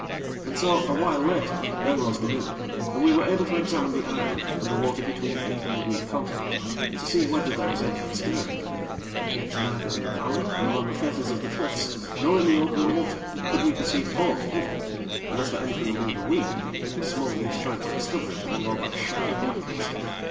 And so, a while later, there rose the moon, and we were able to examine the island and the water between it and the weed continent, to see whether there was anything stirring; yet neither in the valley, nor on the faces of the cliffs, nor in the open water could we perceive aught living, and as for anything among the weed, it was small use trying to discover it among all that shaggy blackness.